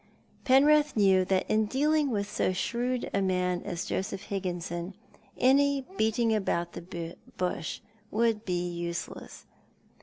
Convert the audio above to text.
Penrith knew that in dealing with so shrewd a man as Joseph Higginson any beating about the bush would be useless.